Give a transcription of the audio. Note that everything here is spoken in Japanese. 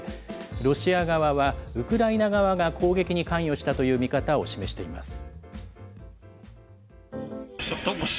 ロシア側は、ウクライナ側が攻撃に関与したという見方を示しています。